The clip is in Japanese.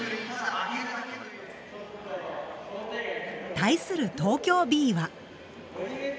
対する東京Ｂは。